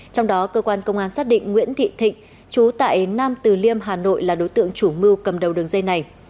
trong đó cơ quan công an xác định nguyễn thị thịnh chú tại nam từ liêm hà nội là đối tượng chủ mưu cầm đầu đường dây này